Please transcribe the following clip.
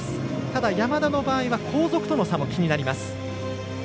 ただ、山田の場合は後続との差も気になります。